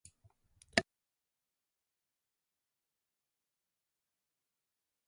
公園のベンチはまだ少し湿っていた。